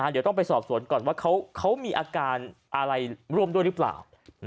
เดี๋ยวต้องไปสอบสวนก่อนว่าเขามีอาการอะไรร่วมด้วยหรือเปล่า